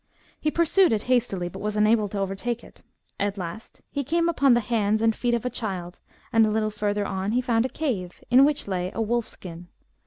He pursued it hastily, but was unable to overtake it. At last he came upon the hands and feet of a cliild, and a little further on he found a cave, in which lay a wolf skin.